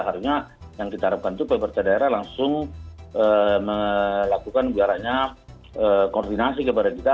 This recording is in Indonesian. harusnya yang kita harapkan itu pemerintah daerah langsung melakukan biaranya koordinasi kepada kita